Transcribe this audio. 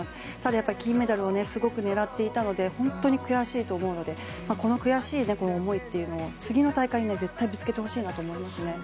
やっぱり金メダルをすごく狙っていたので本当に悔しいと思うのでこの悔しい思いっていうのを次の大会に絶対にぶつけてほしいなと思いますね。